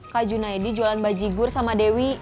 kak junaidi jualan baji gur sama dewi